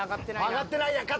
上がってないやん